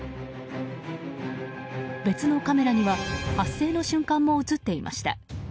別のカメラには発生の瞬間も映っていました。